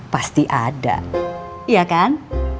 pasti ada iya kan